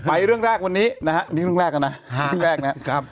ไปเรื่องแรกวันนี้นะครับ